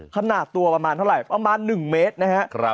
ขนาดตัวประมาณเท่าไหร่ประมาณ๑เมตรนะครับ